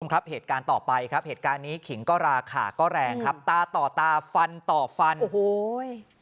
ครับเหตุการณ์ต่อไปครับเหตุการณ์นี้ขิงก็ราคาก็แรงครับตาต่อตาฟันต่อฟันโอ้โห